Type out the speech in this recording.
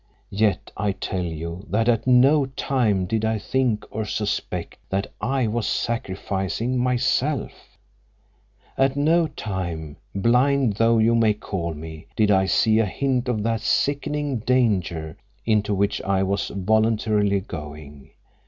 Yet I tell you that at no time did I think or suspect that I was sacrificing myself; at no time, blind though you may call me, did I see a hint of that sickening danger into which I was voluntarily going.